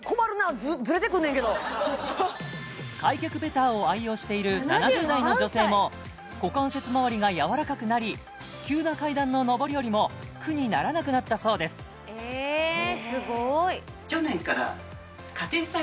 開脚ベターを愛用している７０代の女性も股関節周りが柔らかくなり急な階段の上り下りも苦にならなくなったそうですえ